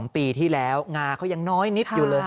ปีที่แล้วงาเขายังน้อยนิดอยู่เลย